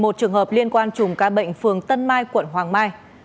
một mươi một trường hợp liên quan chùm ca bệnh phường tân mai quận hoàng mai